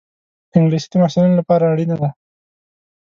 انګلیسي د محصلینو لپاره اړینه ده